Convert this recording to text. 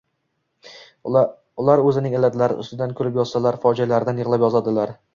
Ular o‘zining illatlari ustidan kulib yozsalar, fojialaridan yig‘lab yozadilar.